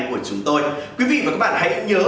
của chúng tôi quý vị và các bạn hãy nhớ